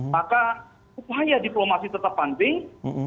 maka upaya diplomasi tetap penting